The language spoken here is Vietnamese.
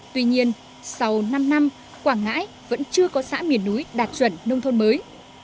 tuy nhiên sau năm năm quảng ngãi vẫn chưa có xã miền núi đạt chuẩn nông thôn mới